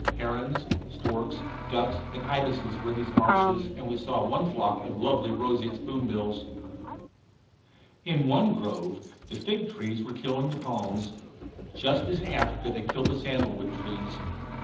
Herons, storks, ducks, and ibises were in these marshes, and we saw one flock of lovely roseate spoonbills. In one grove the fig trees were killing the palms, just as in Africa they kill the sandalwood trees.